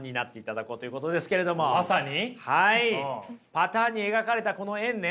パターンに描かれたこの円ね